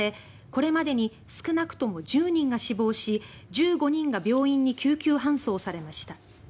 これまでに少なくとも１０人が死亡し１５人が病院に救急搬送されました。